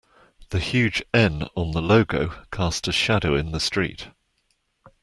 The huge N on the logo cast a shadow in the street.